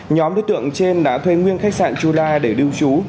nhóm đối tượng trên đã thuê nguyên khách sạn chula để đưa chú